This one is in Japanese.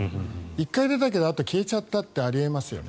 １回出たけど消えちゃったってあり得ますよね。